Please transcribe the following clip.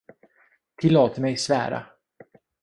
Tillåt mig svära!